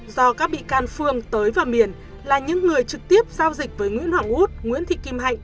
do các bị can phương tới vào miền là những người trực tiếp giao dịch với nguyễn hoàng út nguyễn thị kim hạnh